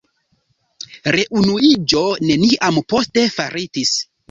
Reunuiĝo neniam poste faritis.